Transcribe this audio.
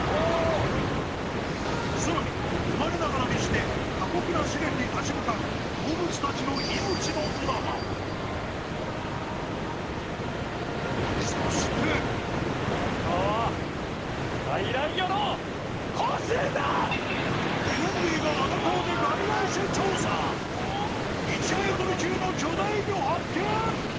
さらに生まれながらにして過酷な試練に立ち向かう動物たちの命のドラマそしてティモンディが発見！